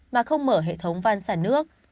mà không mở hệ thống van sản nước